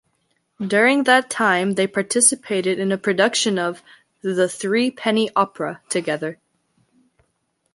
During that time, they participated in a production of "The Threepenny Opera" together.